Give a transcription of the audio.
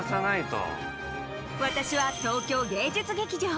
私は、東京芸術劇場。